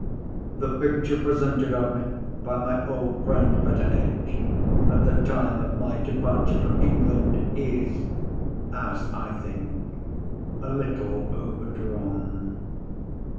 The picture presented of me, by my old friend Betteredge, at the time of my departure from England, is (as I think) a little overdrawn.